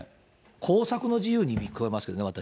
工作の自由に聞こえますけどね、私。